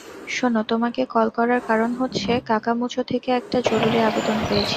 শোনো তোমাকে কল করার কারণ হচ্ছে কাকামুচো থেকে একটা জরুরী আবেদন পেয়েছি।